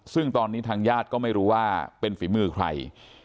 ซึ่งตอนนี้ทางญาติก็ไม่รู้ว่าเป็นฝีมือใคร